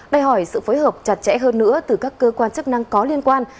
đòi hỏi sự phối hợp chặt chẽ hơn nữa từ các cơ quan chức năng có liên quan